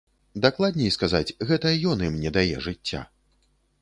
Дакладней сказаць, гэта ён ім не дае жыцця.